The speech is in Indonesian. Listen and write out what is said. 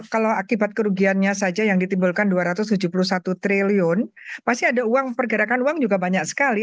kalau akibat kerugiannya saja yang ditimbulkan dua ratus tujuh puluh satu triliun pasti ada uang pergerakan uang juga banyak sekali